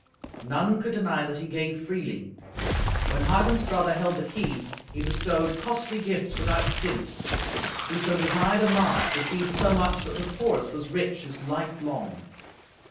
None could deny that he gave freely. When Hagen's brother held the key, he bestowed costly gifts without stint. Whoso desired a mark received so much that the poorest was rich his life long.